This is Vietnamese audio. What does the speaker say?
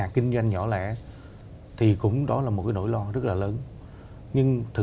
kinh ngành sức khẩu